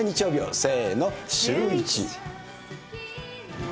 せーの、シューイチ。